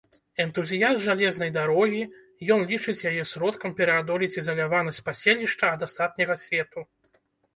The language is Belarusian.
Энтузіяст жалезнай дарогі, ён лічыць яе сродкам пераадолець ізаляванасць паселішча ад астатняга свету.